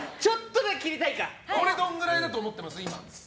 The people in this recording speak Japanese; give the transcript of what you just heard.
どのぐらいだと思ってます？